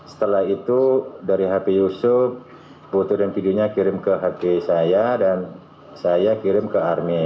setelah itu dari hp yusuf foto dan videonya kirim ke hp saya dan saya kirim ke army